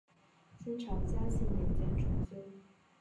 清朝嘉庆年间重修。